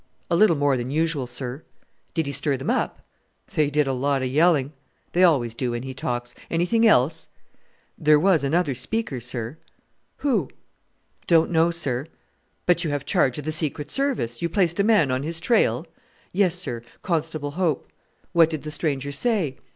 "A little more than usual, sir." "Did he stir them up?" "They did a lot of yelling." "They always do when he talks. Anything else?" "There was another speaker, sir." "Who?" "Don't know, sir." "But you have charge of the Secret Service. You placed a man on his trail?" "Yes, sir; Constable Hope." "What did the stranger say?"